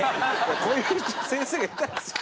こういう先生がいたんですよ。